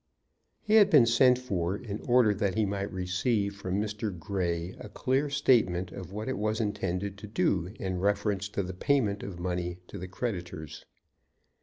He had been sent for in order that he might receive from Mr. Grey a clear statement of what it was intended to do in reference to the payment of money to the creditors.